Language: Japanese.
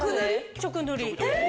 直塗り。